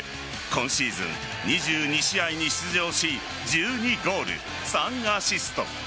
今シーズン、２２試合に出場し１２ゴール３アシスト。